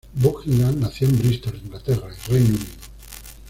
Buckingham Nació en Bristol, Inglaterra, Reino Unido.